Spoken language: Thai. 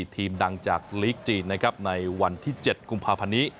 ทีมดังจากลีกจีนในวันที่๗กุมภาพันี